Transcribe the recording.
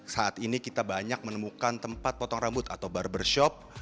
saat ini kita banyak menemukan tempat potong rambut atau barbershop